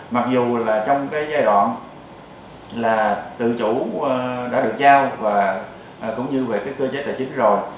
mặc dù trong giai đoạn tự chủ đã được giao cũng như về cơ chế tài chính rồi